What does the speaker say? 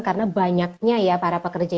karena banyaknya ya para pekerja